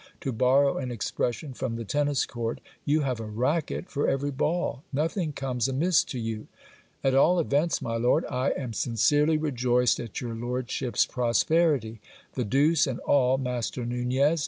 To borrow an expression from the tennis court, you have a racket for every ball ; nothing comes amiss to you. At all events, my lord, I am sin cerely rejoiced at your lordship's prosperity. The deuce and all, Master Nunez